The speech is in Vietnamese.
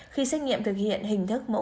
khi xét nghiệm thực hiện hình thức mẫu gộp